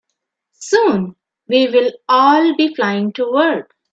Soon, we will all be flying to work.